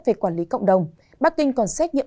về quản lý cộng đồng bắc kinh còn xét nghiệm